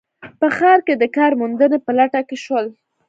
په ښار کې د کار موندنې په لټه کې شول